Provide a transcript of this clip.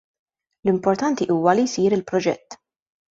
L-importanti huwa li jsir il-proġett.